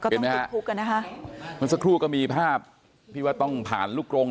เห็นไหมฮะมันสักครู่ก็มีภาพพี่ว่าต้องผ่านลูกกรง